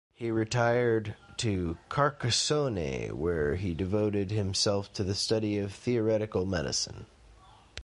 He retired to Carcassonne, where he devoted himself to the study of theoretical medicine.